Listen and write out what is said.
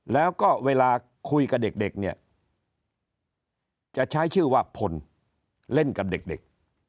แล้วก็เวลาคุยกับเด็กเนี่ยจะใช้ชื่อว่าพลเล่นกับเด็ก